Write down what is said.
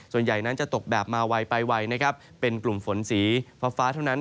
ส่วนใหญ่นั้นจะตกแบบมาไวไปไวนะครับเป็นกลุ่มฝนสีฟ้าเท่านั้น